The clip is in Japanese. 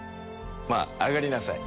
まあ上がりなさい。